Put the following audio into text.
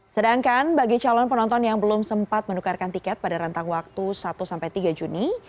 sedangkan bagi calon penonton yang belum sempat menukarkan tiket pada rentang waktu satu sampai tiga juni